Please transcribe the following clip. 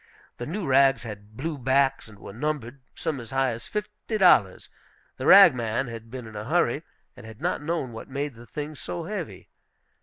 The new rags had blue backs, and were numbered, some as high as fifty dollars. The rag man had been in a hurry, and had not known what made the things so heavy.